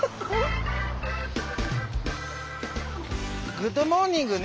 グッドモーニングね。